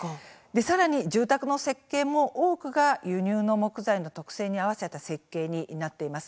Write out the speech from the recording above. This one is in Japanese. さらに住宅の設計も多くが輸入の木材の特性に合わせた設計になっています。